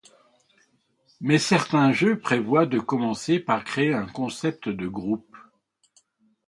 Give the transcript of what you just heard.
Mais certains jeux prévoient de commencer par créer un concept de groupe.